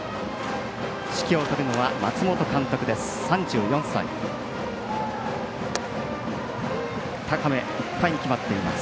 指揮を執るのは松本監督です。